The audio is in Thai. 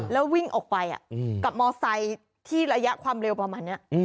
แล้ววิ่งออกไปกับมอไซค์ที่ระยะความเร็วประมาณนี้